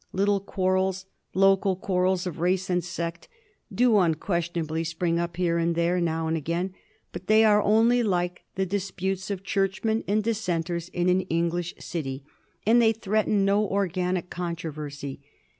Little quarrels, local quar rels of race and sect, do unquestionably spring up here and there now and again, but they are only like the dis putes of Churchmen and Dissenters in an English city, and they threaten no organic controversy.